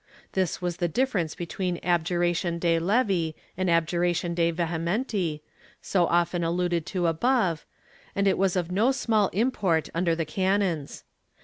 This was the difference between abjuration de levi and abjuration de vehementi, so often alluded to above, and it was of no small import under the canons.